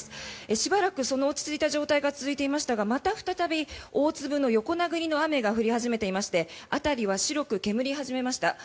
しばらくその落ち着いた状態が続いていましたがまた再び大粒の横殴りの雨が降り始めていまして辺りは白く煙り始めました。